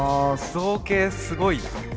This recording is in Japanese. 造形すごいな！